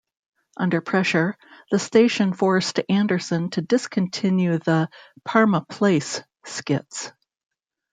Under pressure, the station forced Anderson to discontinue the "Parma Place" skits.